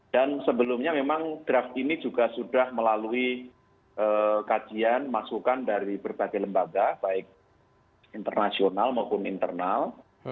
dan sebelumnya memang draft ini juga sudah melalui kajian masukan dari berbagai lembaga baik internasional maupun internal